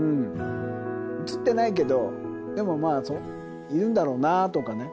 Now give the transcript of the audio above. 写ってないけど、でもまあ、いるんだろうなぁとかね。